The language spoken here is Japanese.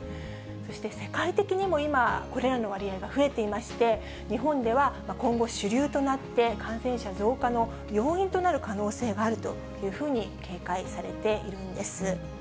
そして、世界的にも今、これらの割合が増えていまして、日本では今後、主流となって、感染者増加の要因となる可能性があるというふうに警戒されているんです。